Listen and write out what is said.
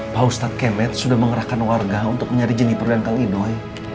pak ustadz kemet sudah mengerahkan warga untuk mencari jennifer dan kang idoi